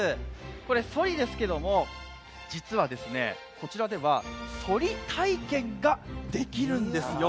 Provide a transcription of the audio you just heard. そりですけど、実はこちらではそり体験ができるんです。